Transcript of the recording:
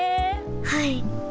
はい。